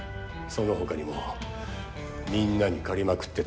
そのほかにもみんなに借りまくってた。